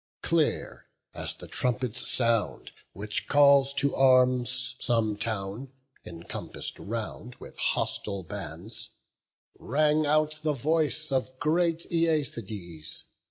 Clear as the trumpet's sound, which calls to arms Some town, encompass'd round with hostile bands, Rang out the voice of great Æacides.